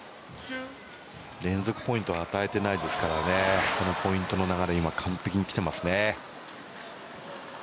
連続ポイントを与えていませんからね、このポイントの流れ完璧にきていますね。